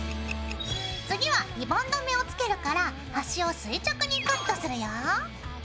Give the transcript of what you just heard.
次はリボン留めをつけるからはしを垂直にカットするよ。